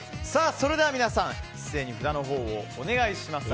それでは皆さん一斉に札のほうをお願いします！